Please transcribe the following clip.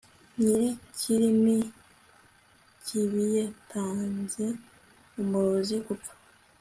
nyir'ikirimi kibiyatanze umurozi gupfa